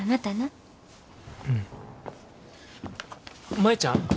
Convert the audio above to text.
舞ちゃん。